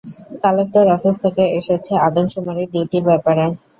Collector office থেকে এসেছে, আদমশুমারির ডিউটির ব্যাপারে।